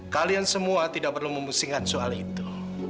kalian semua tidak perlu memusingkan soal itu